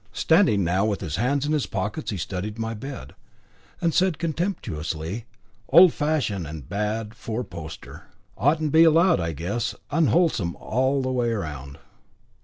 Standing now with his hands in his pockets, he studied my bed, and said contemptuously: "Old fashioned and bad, fourposter. Oughtn't to be allowed, I guess; unwholesome all the way round."